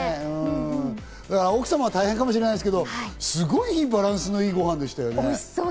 奥様は大変かもしれないですけど、すごい、いいバランスのごはんでしたね。